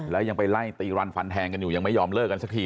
แล้วยังไปไล่ตีรันฟันแทงกันอยู่ยังไม่ยอมเลิกกันสักที